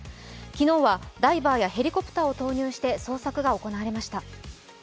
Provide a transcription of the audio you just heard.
昨日はダイバーやヘリコプターを投入して捜索が行われました。